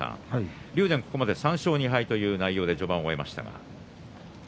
ここまで３勝２敗という内容で序盤を終えましたが。